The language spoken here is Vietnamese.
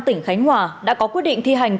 tỉnh khánh hòa đã có quyết định thi hành